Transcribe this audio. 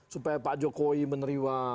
supaya pak jokowi meneriwa